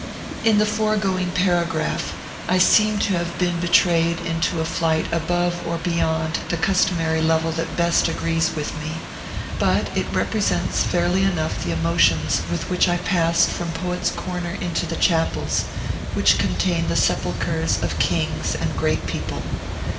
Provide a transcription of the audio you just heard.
In the foregoing paragraph I seem to have been betrayed into a flight above or beyond the customary level that best agrees with me; but it represents fairly enough the emotions with which I passed from Poets' Corner into the chapels, which contain the sepulchres of kings and great people.